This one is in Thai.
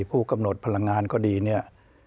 ผู้กำหนดพลังงานก็ดี